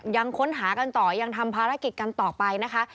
ยังค้นหากันต่อยังทำภารกิจกันต่อไปนะคะ